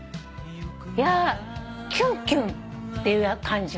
いやキュンキュンっていう感じ。